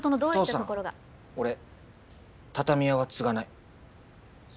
父さん俺畳屋は継がない。